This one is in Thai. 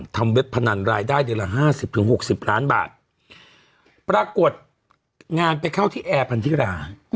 ทำเว็บพนันรายได้เดียวละ๕๐๖๐ล้านบาทปรากฏงานไปเข้าที่แอร์พันธิรา